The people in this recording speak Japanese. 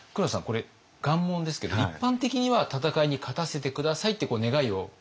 これ願文ですけど一般的には戦いに勝たせて下さいってこう願いをかける。